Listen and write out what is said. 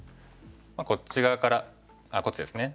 こっち側からあっこっちですね。